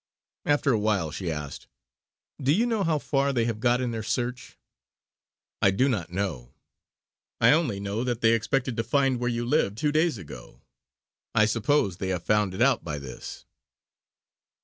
After a while she asked: "Do you know how far they have got in their search?" "I do not; I only know that they expected to find where you lived two days ago. I suppose they have found it out by this."